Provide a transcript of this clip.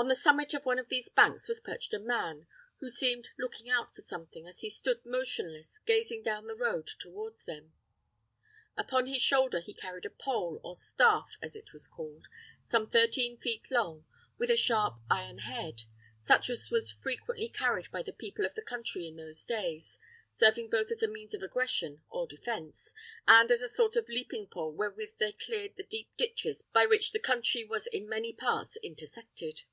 On the summit of one of these banks was perched a man, who seemed looking out for something, as he stood motionless, gazing down the road towards them. Upon his shoulder he carried a pole, or staff, as it was called, some thirteen feet long, with a sharp iron head, such as was frequently carried by the people of the country in those days, serving both as a means of aggression or defence, and as a sort of leaping pole wherewith they cleared the deep ditches by which the country was in many parts intersected.